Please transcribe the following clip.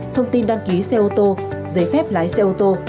thông tin đăng ký xe ô tô giấy phép lái xe ô tô